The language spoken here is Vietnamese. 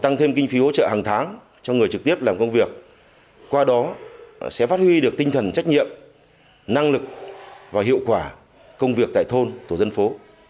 tăng thêm kinh phí hỗ trợ hàng tháng cho người trực tiếp làm công việc qua đó sẽ phát huy được tinh thần trách nhiệm năng lực và hiệu quả công việc tại thôn tổ dân phố